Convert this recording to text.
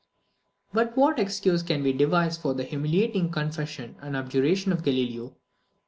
But what excuse can we devise for the humiliating confession and abjuration of Galileo?